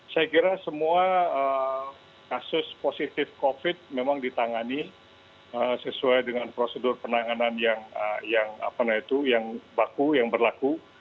saya kira semua kasus positif covid memang ditangani sesuai dengan prosedur penanganan yang baku yang berlaku